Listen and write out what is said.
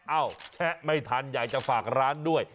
เอ้าแชะไม่ทันอยากจะฝากร้านด้วย